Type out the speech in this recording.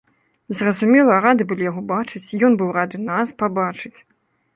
Зразумела, рады былі яго бачыць, ён быў рады нас пабачыць.